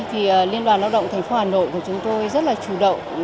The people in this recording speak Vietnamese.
thì liên toàn lao động thành phố hà nội của chúng tôi rất là chủ động